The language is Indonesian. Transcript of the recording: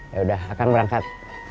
yaudah akan berangkat